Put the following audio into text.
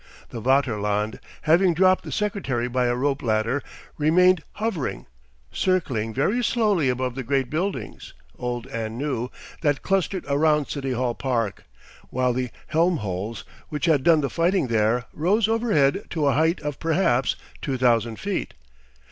The Vaterland, having dropped the secretary by a rope ladder, remained hovering, circling very slowly above the great buildings, old and new, that clustered round City Hall Park, while the Helmholz, which had done the fighting there, rose overhead to a height of perhaps two thousand feet.